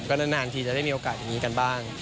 นานทีจะได้มีโอกาสอย่างนี้กันบ้าง